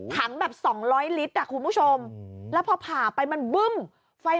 ถังแบบ๒๐๐ลิตรมีแล้วพอหนักอบ่าความเผินไป